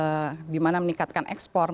mungkin akan ada peningkatan di sektor semen